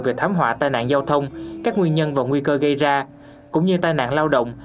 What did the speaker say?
về thảm họa tai nạn giao thông các nguyên nhân và nguy cơ gây ra cũng như tai nạn lao động